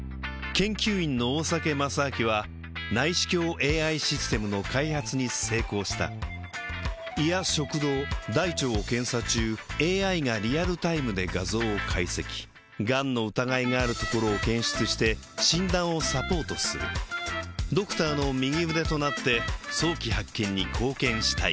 研究員の大酒正明は内視鏡ＡＩシステムの開発に成功した胃や食道大腸を検査中ＡＩがリアルタイムで画像を解析がんの疑いがあるところを検出して診断をサポートするドクターの右腕となって早期発見に貢献したい